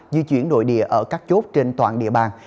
di chuyển nội địa ở các chốt trên toàn địa bàn